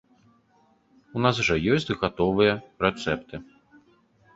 У нас жа ёсць гатовыя рэцэпты.